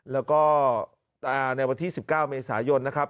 แล้วก็ในวันที่๑๙เมษายนนะครับ